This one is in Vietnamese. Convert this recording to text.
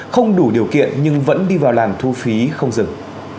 không đủ điều kiện nhưng vẫn đi vào làn thu phí không dừng